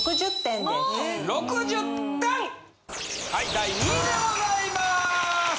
はい第２位でございます。